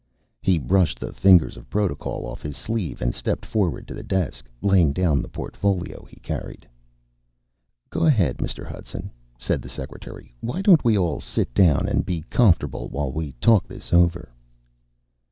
He brushed the fingers of Protocol off his sleeve and stepped forward to the desk, laying down the portfolio he carried. "Go ahead, Mr. Hudson," said the secretary. "Why don't we all sit down and be comfortable while we talk this over?"